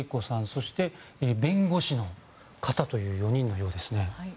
そして、弁護士の方という４人のようですね。